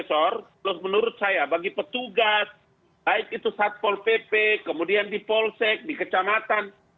menurut saya bagi petugas baik itu satpol pp kemudian di polsek di kecamatan